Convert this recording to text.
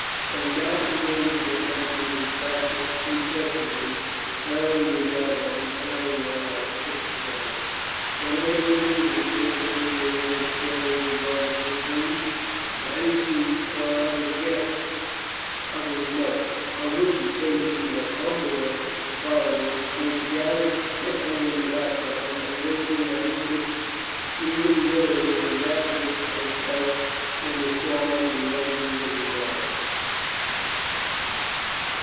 When not engaged in hunting he practised incessantly hurling the javelin and other warlike exercises, while of an evening he frequently related stories of Roman history to any chiefs or other guests of his mother, on which occasions the humbler followers would gather thickly in the background, evincing an interest even greater than that which they felt in the songs and legends of the bards.